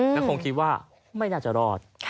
แล้วคงคิดว่าไม่น่าจะรอด